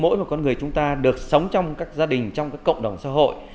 mỗi một con người chúng ta được sống trong các gia đình trong các cộng đồng xã hội